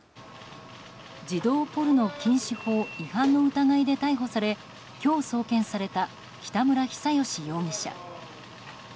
児童ポルノ禁止法違反の疑いで逮捕され今日送検された北村比左嘉容疑者。